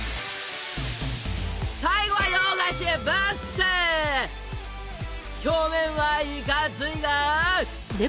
最後は洋菓子表面はいかついが。